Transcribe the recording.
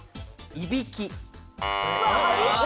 いびき。